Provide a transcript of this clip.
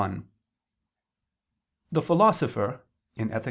1: The Philosopher (Ethic.